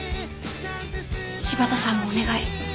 柴田さんもお願い。